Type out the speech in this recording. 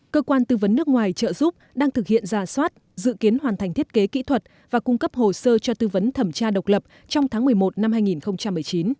cơ quan tư vấn nước ngoài trợ giúp đang thực hiện giả soát dự kiến hoàn thành thiết kế kỹ thuật và cung cấp hồ sơ cho tư vấn thẩm tra độc lập trong tháng một mươi một năm hai nghìn một mươi chín